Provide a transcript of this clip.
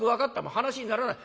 話にならない。